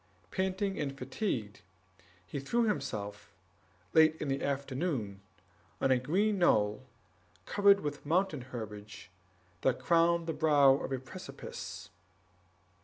Panting and fatigued, he threw himself, late in the afternoon, on a green knoll, covered with mountain herbage, that crowned the brow of a precipice.